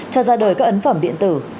cho ra đời các ấn phẩm điện tử